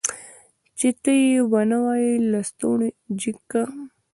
چې ته يې ونه وايي لستوڼی جګ که.